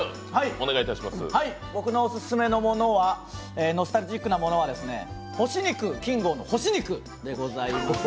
僕のオススメのノスタルジックなものは、干し肉ＫＩＮＧＯ−の干し肉でございます。